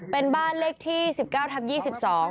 เป็นบ้านเลขที่๑๙ทับ๒๒